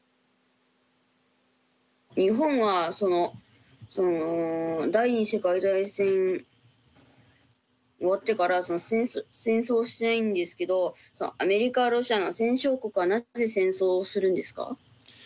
日本は第２次世界大戦終わってから戦争してないんですけどアメリカロシアの戦勝国はなぜ戦争をするんですか？